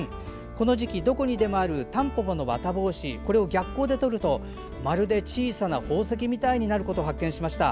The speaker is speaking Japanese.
この時期、どこにでもあるたんぽぽの綿帽子これを逆光で撮るとまるで小さな宝石みたいになることを発見しました。